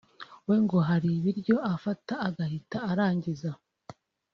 we ngo hari ibiryo afata agahita arangiza